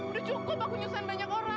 udah cukup aku nyusahin banyak orang